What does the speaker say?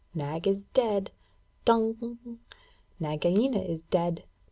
_ Nag is dead dong! Nagaina is dead!